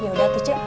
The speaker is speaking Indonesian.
ya udah tuh cu